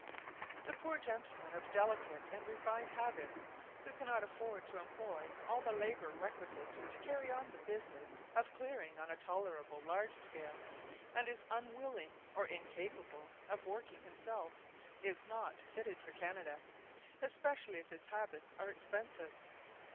The poor gentleman of delicate and refined habits, who cannot afford to employ all the labour requisite to carry on the business of clearing on a tolerable large scale, and is unwilling or incapable of working himself, is not fitted for Canada, especially if his habits are expensive.